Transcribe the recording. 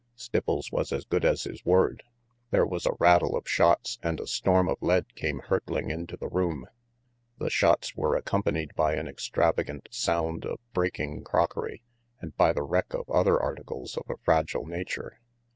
Stipples was as good as his word. There was a rattle of shots and a storm of lead came hurtling into the room. The shots were accompanied by an extravagant sound of breaking crockery and by the wreck of other articles of a fragile nature.